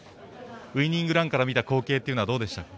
ウイニングランから見た光景というのはどうでした？